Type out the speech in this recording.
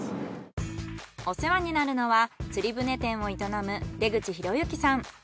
お世話になるのは釣船店を営む出口博之さん。